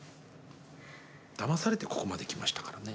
だまされてここまで来ましたからね。